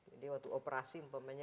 jadi waktu operasi